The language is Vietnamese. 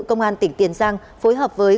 công an tỉnh tiền giang phối hợp với